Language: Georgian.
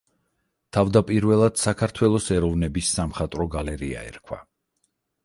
თავდაპირველად საქართველოს ეროვნების სამხატვრო გალერეა ერქვა.